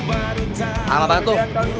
aduh malekat sewa kau baru tau